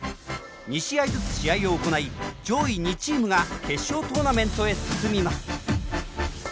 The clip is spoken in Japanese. ２試合ずつ試合を行い上位２チームが決勝トーナメントへ進みます。